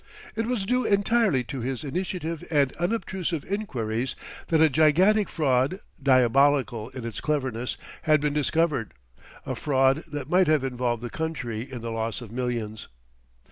It was due entirely to his initiative and unobtrusive enquiries that a gigantic fraud, diabolical in its cleverness, had been discovered a fraud that might have involved the country in the loss of millions.